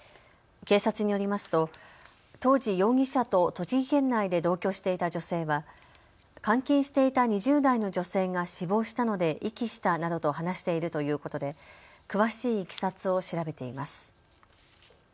警察によりますと当時、容疑者と栃木県内で同居していた女性は監禁していた２０代の女性が死亡したので遺棄したなどと話しているということで詳しいいきさつを調べています。